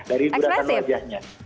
dari duratan wajahnya